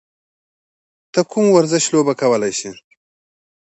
ته کوم ورزش لوبه کولی شې؟